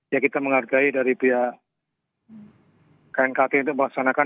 ya kita menghargai dari pihak knkt untuk melaksanakan